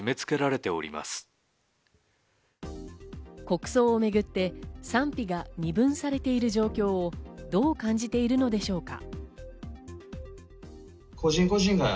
国葬めぐって賛否が二分されている状況をどう感じているのでしょうか。